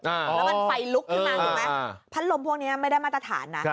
แล้วมันไฟลุกขึ้นมาถูกไหมพัดลมพวกนี้ไม่ได้มาตรฐานนะ